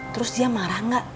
terus dia marah gak